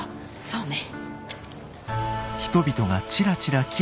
そうね。